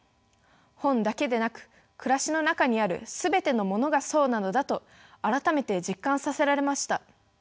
本だけでなく暮らしの中にある全てのものがそうなのだと改めて実感させられました。